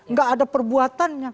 nggak ada perbuatannya